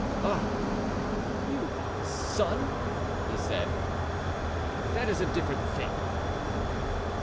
"Ah, you are his son!" he said; "that is a different thing."